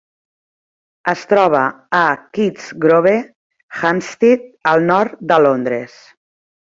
Es troba a Keats Grove, Hampstead, al nord de Londres.